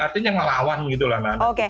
artinya ngelawan gitu lah anak anak kita